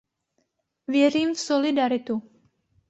Věřím v solidaritu.